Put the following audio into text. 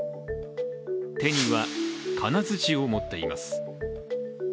手には、金づちを持っています。